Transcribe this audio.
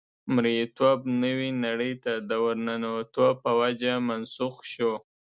مرییتوب نوې نړۍ ته د ورننوتو په وجه منسوخ شو.